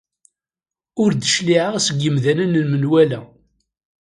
Ur d-cligeɣ seg yemdanen n menwala.